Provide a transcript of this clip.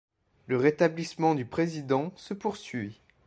Le rétablissement du président se poursuit.